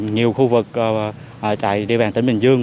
nhiều khu vực tại địa bàn tỉnh bình dương